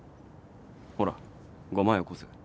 ほら５万よこせ。